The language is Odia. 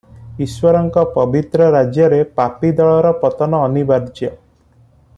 ଈଶ୍ୱରଙ୍କ ପବିତ୍ର ରାଜ୍ୟରେ ପାପୀ ଦଳର ପତନ ଅନିବାର୍ଯ୍ୟ ।